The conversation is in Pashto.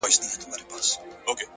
مجرم د غلا خبري پټي ساتي،